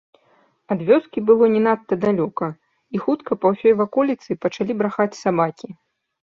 Ад вёскі было не надта далёка, і хутка па ўсёй ваколіцы пачалі брахаць сабакі.